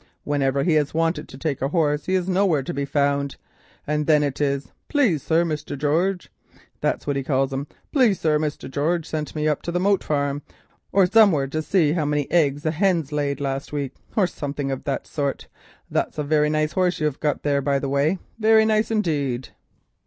Whenever he is wanted to take a horse he is nowhere to be found, and then it is 'Please, sir, Mr. George,' that's what he calls him, 'Please, sir, Mr. George sent me up to the Moat Farm or somewhere to see how many eggs the hens laid last week,' or something of the sort. That's a very nice horse you have got there, by the way, very nice indeed."